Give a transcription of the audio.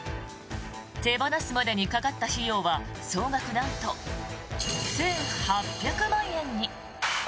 手放すまでにかかった費用は総額、なんと１８００万円に。